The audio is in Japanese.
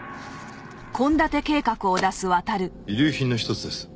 遺留品の一つです。